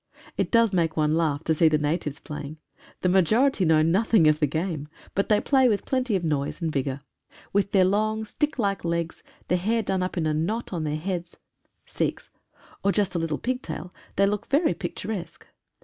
It does make one laugh to see the natives playing. The majority know nothing of the game, but they play with plenty of noise and vigour. With their long stick like legs, the hair done up in a knot on their 107 PLOUGHING AND PLAYING. heads (Sikhs), or just a little pigtail, they look very picturesque.